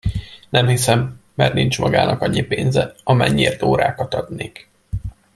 Nem hiszem, mert nincs magának annyi pénze, amennyiért órákat adnék!